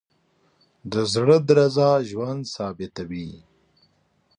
د زړه درزا ژوند ثابتوي.